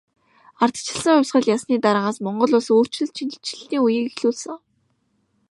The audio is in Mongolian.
Ардчилсан хувьсгал ялсны дараагаас Монгол улс өөрчлөлт шинэчлэлтийн үеийг эхлүүлсэн.